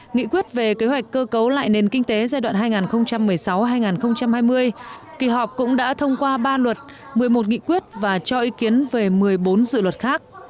nghị quyết về kế hoạch cơ cấu lại nền kinh tế giai đoạn hai nghìn một mươi sáu hai nghìn hai mươi kỳ họp cũng đã thông qua ba luật một mươi một nghị quyết và cho ý kiến về một mươi bốn dự luật khác